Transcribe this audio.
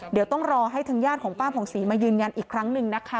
เดี๋ยวต้องรอให้ทางญาติของป้าผ่องศรีมายืนยันอีกครั้งหนึ่งนะคะ